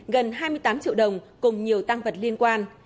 gần hai mươi tám triệu đồng cùng nhiều tăng vật liên quan